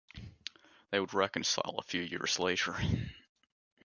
They would reconcile a few years later.